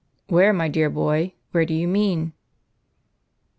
" Where, my dear boy, where do you mean